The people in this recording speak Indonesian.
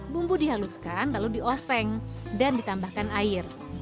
bumbu dihaluskan lalu dioseng dan ditambahkan air